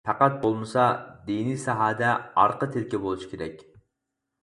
پەقەت بولمىسا دىنى ساھەدە ئارقا تىرىكى بولۇشى كېرەك.